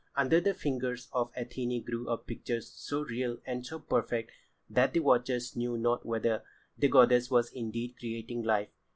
Under the fingers of Athené grew up pictures so real and so perfect that the watchers knew not whether the goddess was indeed creating life.